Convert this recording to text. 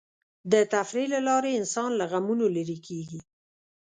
د تفریح له لارې انسان له غمونو لرې کېږي.